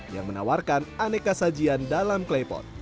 yang menawarkan aneka sajian dalam klepot